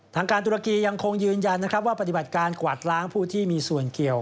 ทางการตุรกียังคงยืนยันนะครับว่าปฏิบัติการกวาดล้างผู้ที่มีส่วนเกี่ยว